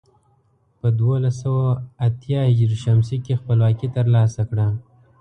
په دولس سوه اتيا ه ش کې خپلواکي تر لاسه کړه.